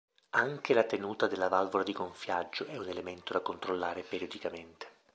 Anche la tenuta della valvola di gonfiaggio è un elemento da controllare periodicamente.